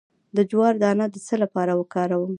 د جوار دانه د څه لپاره وکاروم؟